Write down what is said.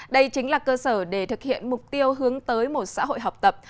đây chính là cơ sở để thực hiện mục tiêu hướng tới một xã hội học tập